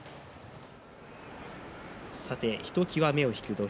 ひときわ目を引く土俵